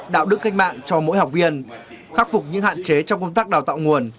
đạo đức cách mạng cho mỗi học viên khắc phục những hạn chế trong công tác đào tạo nguồn